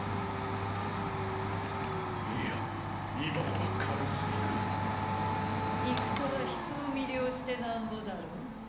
いや今のは軽すぎる戦は人を魅了してなんぼだろう？